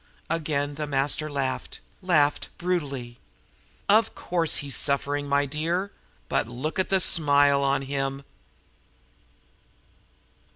Again the master laughed laughed brutally. "Of course he's suffering, my dear but look at the smile on him!"